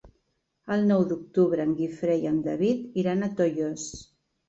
El nou d'octubre en Guifré i en David iran a Tollos.